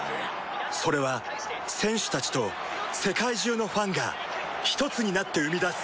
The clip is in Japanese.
それは選手たちと世界中のファンがひとつになって生み出す